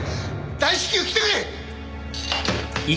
大至急来てくれ！